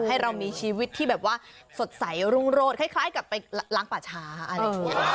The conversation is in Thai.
ให้เรามีชีวิตที่แบบว่าสดใสรุ่งโรดคล้ายกับไปล้างป่าช้าอะไรอย่างนี้